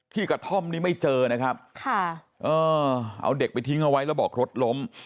กระท่อมนี้ไม่เจอนะครับค่ะเออเอาเด็กไปทิ้งเอาไว้แล้วบอกรถล้ม